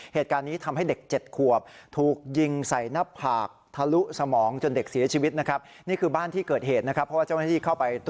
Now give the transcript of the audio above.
เหตุการณ์นี้ทำให้เด็ก๗ขวบถูกยิงใส่หน้าผาก